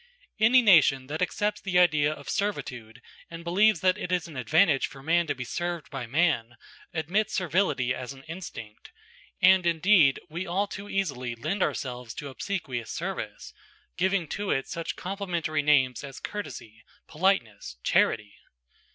Any nation that accepts the idea of servitude and believes that it is an advantage for man to be served by man, admits servility as an instinct, and indeed we all too easily lend ourselves to obsequious service, giving to it such complimentary names as courtesy, politeness, charity.